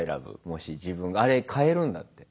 もし自分があれ買えるんだって。